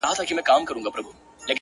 هغه په هره بده پېښه کي بدنام سي ربه-